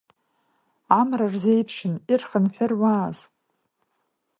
Амра рзеиԥшын, ирхынҳәыруааз…